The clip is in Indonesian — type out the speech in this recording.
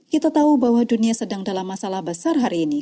kita tahu bahwa dunia sedang dalam masalah besar hari ini